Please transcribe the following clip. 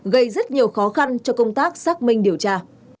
gây rất nhiều khó khăn cho công tác xác minh điều tra